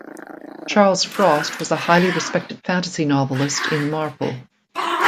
Charles Frost was a highly respected fantasy novelist in Marple.